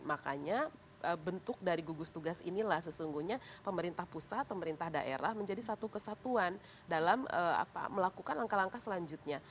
makanya bentuk dari gugus tugas inilah sesungguhnya pemerintah pusat pemerintah daerah menjadi satu kesatuan dalam melakukan langkah langkah selanjutnya